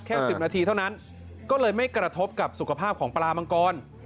๑๐นาทีเท่านั้นก็เลยไม่กระทบกับสุขภาพของปลามังกร